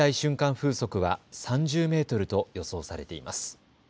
風速は３０メートルと予想されています。